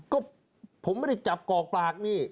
ก็ผมไม่ได้จับกอกปากนี่